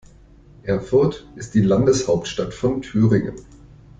Erfurt ist die Landeshauptstadt von Thüringen.